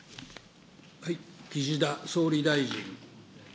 岸田総理大臣。